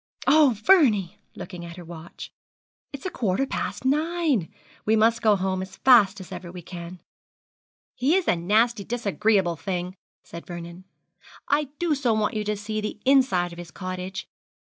Oh, Vernie,' looking at her watch, 'it's a quarter past nine! We must go home as fast as ever we can.' 'He is a nasty disagreeable thing,' said Vernon. 'I did so want you to see the inside of his cottage.